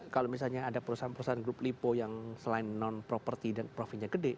kalau misalnya ada perusahaan perusahaan grup lipo yang selain non property dan profitnya gede